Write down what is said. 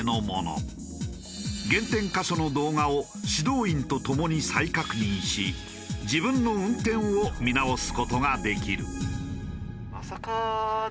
減点箇所の動画を指導員とともに再確認し自分の運転を見直す事ができる。